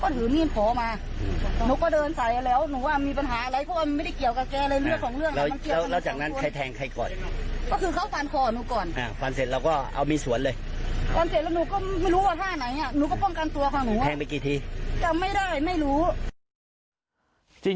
ก็ไม่ได้ไม่รู้